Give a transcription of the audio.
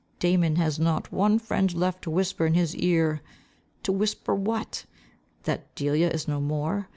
Damon has not one friend left to whisper in his ear to whisper what? That Delia is no more?